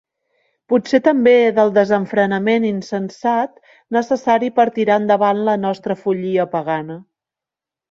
Potser també del desenfrenament insensat necessari per tirar endavant la nostra follia pagana.